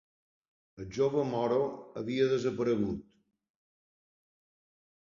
El jove moro havia desaparegut.